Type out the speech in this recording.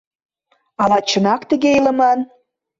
Ала чынак тыге илыман?